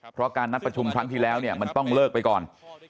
เพราะการนัดประชุมครั้งที่แล้วเนี่ยมันต้องเลิกไปก่อน